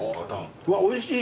うわおいしい！